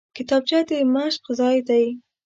کتابچه د مشق ځای دی